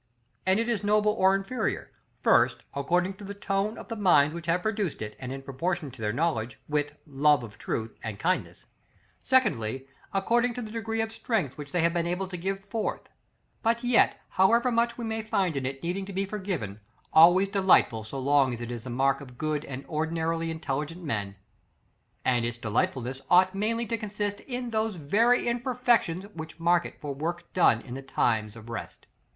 And it is noble or inferior, first, according to the tone of the minds which have produced it, and in proportion to their knowledge, wit, love of truth, and kindness; secondly, according to the degree of strength they have been able to give forth; but yet, however much we may find in it needing to be forgiven, always delightful so long as it is the work of good and ordinarily intelligent men. And its delightfulness ought mainly to consist in those very imperfections which mark it for work done in times of rest.